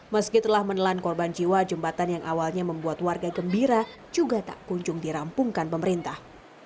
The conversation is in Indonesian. meski telah menelan korban jiwa jembatan yang awalnya membuat warga gembira juga tak kunjung dirampungkan pemerintah